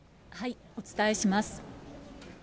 お伝えします。